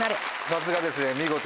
さすがですね見事。